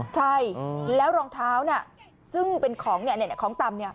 ใช่แล้วรองเท้าซึ่งเป็นของต่ำ